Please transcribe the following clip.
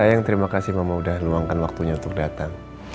sayang terima kasih mama udah luangkan waktunya untuk datang